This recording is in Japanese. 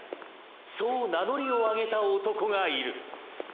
そう名乗りを上げた男がいる。